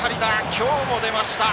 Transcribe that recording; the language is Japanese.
きょうも出ました。